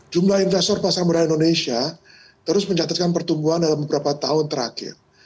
jumlah investor pasar modal indonesia terus mencatatkan pertumbuhan dalam beberapa tahun terakhir